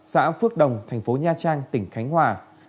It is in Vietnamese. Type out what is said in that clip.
xã phước đồng thành phố nha trang tỉnh khánh hòa